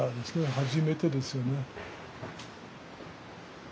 初めてですよね。